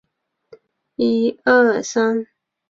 岛上有一个度假村和一个简易机场。